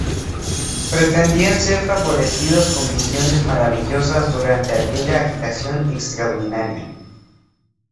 Pretendían ser favorecidos con visiones maravillosas durante aquella agitación extraordinaria.